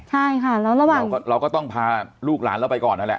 ใช่ค่ะแล้วระหว่างเราก็ต้องพาลูกหลานเราไปก่อนนั่นแหละ